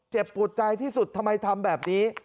ปวดใจที่สุดทำไมทำแบบนี้